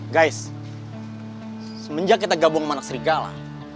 guys semenjak kita gabung sama anak serigala